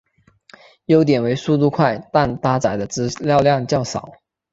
优点为速度快但搭载的资料量较少。